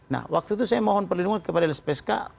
nah waktu itu saya mohon perlindungan kepada lpsk